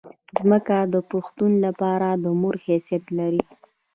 ځمکه د پښتون لپاره د مور حیثیت لري.